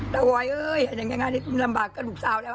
แต่ว่าอย่างงานนี้ลำบากก็ดูซาวแล้ว